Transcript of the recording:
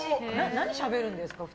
何しゃべるんですか？